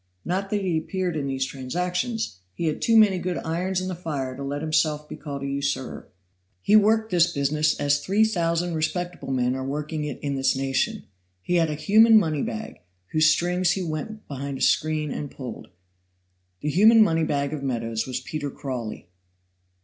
Not that he appeared in these transactions he had too many good irons in the fire to let himself be called a usurer. He worked this business as three thousand respectable men are working it in this nation. He had a human money bag, whose strings he went behind a screen and pulled. The human money bag of Meadows was Peter Crawley.